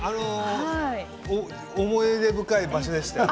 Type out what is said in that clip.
思い出深い場所でした。